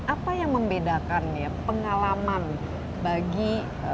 apa yang membedakan pengalaman bagi anda